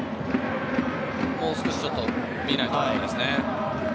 もう少し見ないとですね。